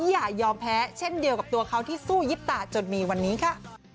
อย่ายอมแพ้เช่นเดียวกับตัวเขาที่สู้ยิบตาจนมีวันนี้ค่ะ